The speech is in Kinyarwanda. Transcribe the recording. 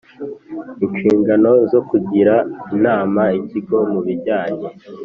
inshingano zo kugira inama Ikigo mu bijyanye